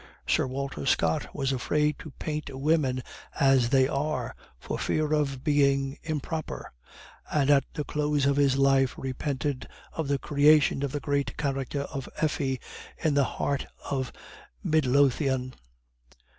Sir Walter Scott was afraid to paint women as they are for fear of being 'improper'; and at the close of his life repented of the creation of the great character of Effie in The Heart of Midlothian."